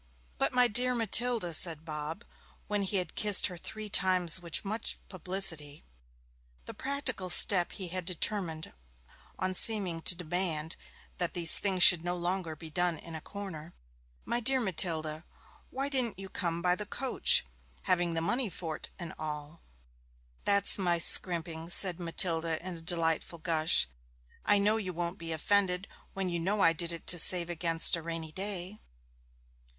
'But, my dear Matilda,' said Bob, when he had kissed her three times with much publicity the practical step he had determined on seeming to demand that these things should no longer be done in a corner 'my dear Matilda, why didn't you come by the coach, having the money for't and all?' 'That's my scrimping!' said Matilda in a delightful gush. 'I know you won't be offended when you know I did it to save against a rainy day!'